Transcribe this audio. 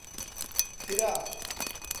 کرا.